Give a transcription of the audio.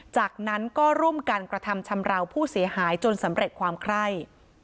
จากนั้นก็ร่วมกันกระทำชำราวผู้เสียหายจนสำเร็จความไคร่